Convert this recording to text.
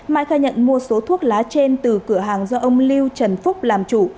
mai khai nhận mua số thuốc lá trên từ cửa hàng do ông lưu trần phúc làm chủ